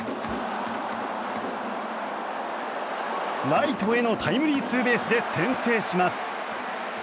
ライトへのタイムリーツーベースで先制します。